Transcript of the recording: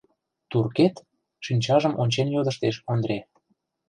Туркет? — шинчажым ончен йодыштеш Ондре.